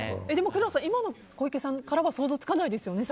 工藤さん、今の小池さんからは想像つかないですよね？